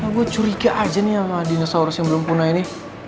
gue curiga aja nih sama dinosaurus yang belum punah ini